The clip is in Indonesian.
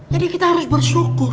jadi kita harus bersyukur